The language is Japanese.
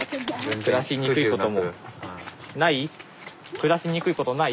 暮らしにくいこともない？